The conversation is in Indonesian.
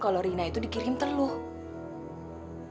kalau rina itu dikirim teluhnya